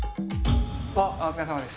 お疲れさまです。